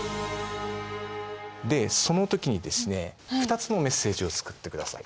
でその時にですね２つのメッセージを作ってください。